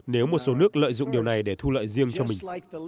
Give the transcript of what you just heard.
nếu một số nước lợi dụng điều này để thu lợi riêng cho mình